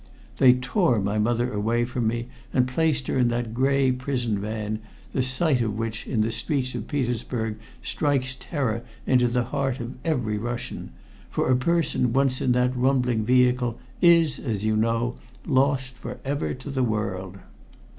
They tore my mother away from me and placed her in that gray prison van, the sight of which in the streets of Petersburg strikes terror into the heart of every Russian, for a person once in that rumbling vehicle is, as you know, lost for ever to the world.